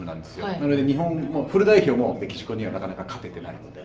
なので、日本フル代表もメキシコにはなかなか勝てていないので。